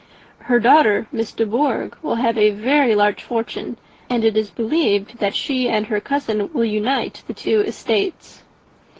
"Her daughter, Miss de Bourgh, will have a very large fortune, and it is believed that she and her cousin will unite the two estates."